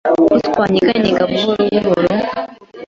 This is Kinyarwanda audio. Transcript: Ko twanyeganyega buhoro buhoro